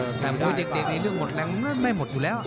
มันไปไหนรึเปล่าแล้วมุยเด็กนี้เหลือหมดแม่งให้หมดอยู่แล้ว